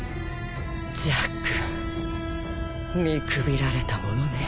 ジャック見くびられたものね。